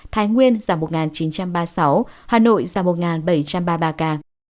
thái nguyên giảm một nghìn chín trăm ba mươi sáu hà nội giảm một bảy trăm ba mươi ba ca